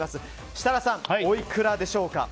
設楽さん、おいくらでしょうか。